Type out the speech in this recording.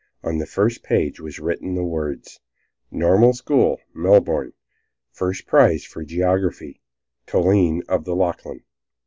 On the first page was written the words: "Normal School, Melbourne. First Prize for Geography. Toline of the Lachlan."